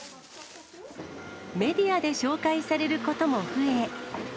メディアで紹介されることも増え。